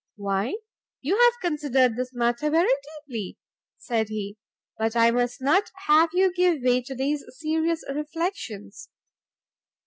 "Why you have considered this matter very deeply," said he; "but I must not have you give way to these serious reflections.